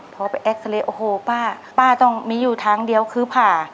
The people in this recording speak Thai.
พอไปโอ้โหป้าป้าต้องมีอยู่ทางเดียวคือผ่า